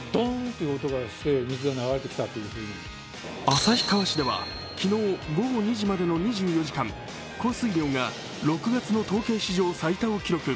旭川市では昨日午後２時までの２４時間降水量が６月の統計史上最多を記録